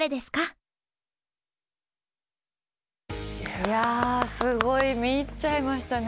いやすごい見入っちゃいましたね。